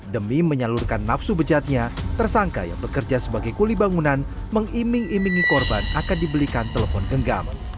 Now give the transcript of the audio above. demi menyalurkan nafsu bejatnya tersangka yang bekerja sebagai kuli bangunan mengiming imingi korban akan dibelikan telepon genggam